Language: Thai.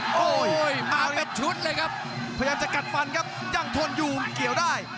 โอ้โหมาเป็นชุดเลยครับพยายามจะกัดฟันครับยังทนอยู่เกี่ยวได้